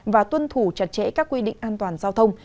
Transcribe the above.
và tuân thủ chặt chẽ các quy định an toàn giao thông